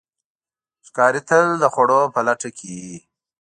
ښکاري تل د خوړو په لټه کې وي.